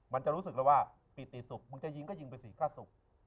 มันจะรู้สึกแล้วว่าปิติศุกร์มึงจะยิงก็ยิงไปสี่ฆ่าศุกร์